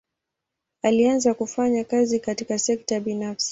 Alianza kufanya kazi katika sekta binafsi.